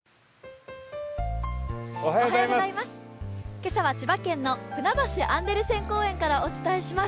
今朝は千葉県のふなばしアンデルセン公園からお伝えします。